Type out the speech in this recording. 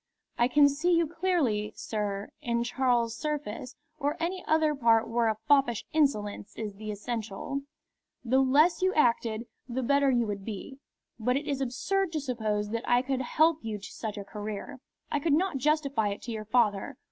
"I can see you clearly, sir, in Charles Surface, or any other part where a foppish insolence is the essential. The less you acted, the better you would be. But it is absurd to suppose that I could help you to such a career. I could not justify it to your father.